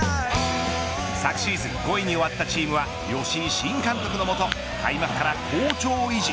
昨シーズン５位に終わったチームは吉井新監督のもと開幕から好調を維持。